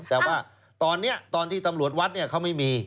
แต่ว่าตอนนี้ตอนที่ตำรวจวัดเขาไม่มี